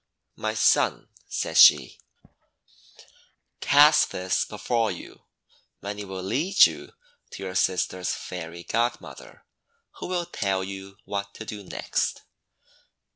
"My son," said she, "cast this before you, and it will lead you to your sister's Fairy Godmother, who will tell you what to do next."